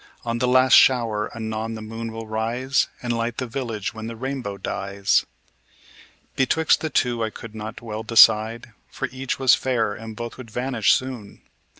On the last shower anon the moon will rise, And light the village when the rainbow dies." Betwixt the two I cold not well decide; For each was fair, and both would vanish soon.